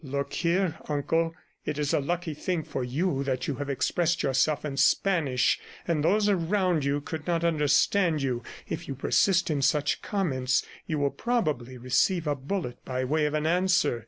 "Look here, uncle! It is a lucky thing for you that you have expressed yourself in Spanish, and those around you could not understand you. If you persist in such comments you will probably receive a bullet by way of an answer.